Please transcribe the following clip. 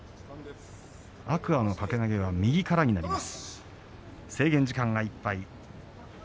天空海の掛け投げは右からになります。